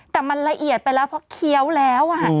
แต่มันละเอียดไปแล้วเพราะเคี้ยวแล้ว